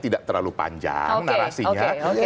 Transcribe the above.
tidak terlalu panjang narasinya oke oke